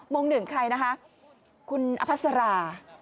โมง๑ใครนะคะคุณอภัสรา